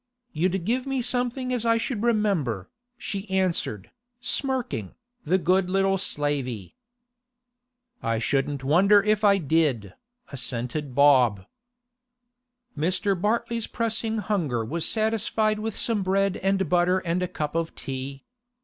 'You'd give me something as I should remember,' she answered, smirking, the good little slavey. 'Shouldn't wonder if I did,' assented Bob. Mr. Bartley's pressing hunger was satisfied with some bread and butter and a cup of tea.